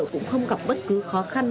cũng không gặp bất cứ khó khăn